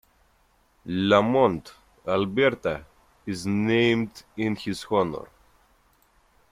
Lamont, Alberta is named in his honour.